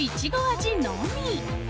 味のみ。